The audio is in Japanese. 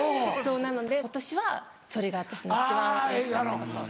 なので今年はそれが私の一番うれしかったこと。